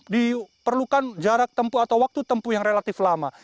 diperlukan jarak tempuh atau waktu tempuh yang relatif lama